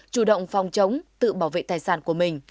chủ động phòng chống tự bảo vệ tài sản của mình